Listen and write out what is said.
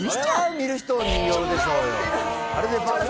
それは見る人によるでしょうよ。